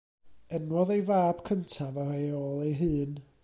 Enwodd ei fab cyntaf ei ôl ei hun.